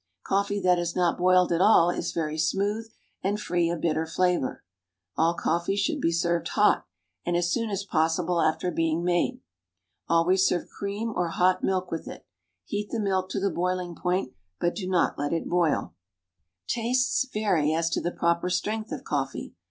Coffee that is not boiled at all is very smooth and free of bitter flavor. All coffee should be served hot, and as soon as possible after being made. Always serve cream or hot milk with it. Heat the milk to the boiling point, but do not let it boil. Tastes vary as to the proper strength of coffee.